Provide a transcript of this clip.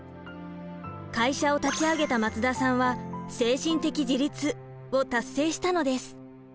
会社を立ち上げた松田さんは精神的自立を達成したのです。